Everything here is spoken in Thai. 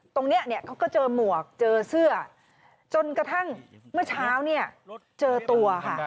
เขาก็เจอหมวกเจอเสื้อจนกระทั่งเมื่อเช้าเนี่ยเจอตัวค่ะ